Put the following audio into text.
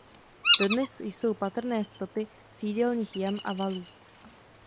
Dodnes jsou patrné stopy sídelních jam a valů.